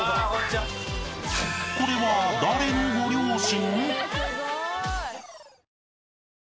［これは誰のご両親？］